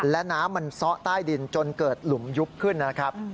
และน้ำมันซ่อใต้ดินจนเกิดหลุมยุบขึ้นนะครับ